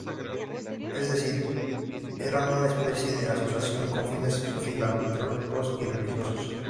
Es decir, eran una especie de asociaciones con fines filantrópicos y religiosos.